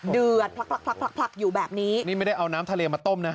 เดือดพลักพลักพลักพลักพลักอยู่แบบนี้นี่ไม่ได้เอาน้ำทะเลมาต้มนะ